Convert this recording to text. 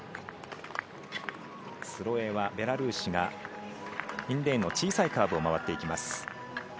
スロエワ、ベラルーシがインレーンの小さいカーブを回っていきます。